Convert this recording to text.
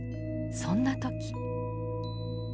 そんな時。